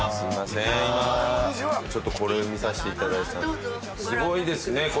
すごいですね